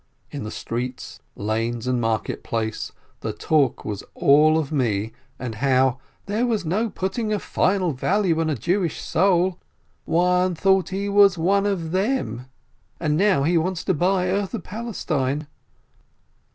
In the streets, lanes, and market place, the talk was all of me and of how "there is no putting a final value on a Jewish soul : one thought he was one of them, and now he wants to buy earth of Palestine